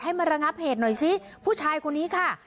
มาระงับเหตุหน่อยสิผู้ชายคนนี้ค่ะ